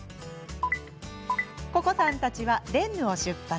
ココさんたちは、レンヌを出発。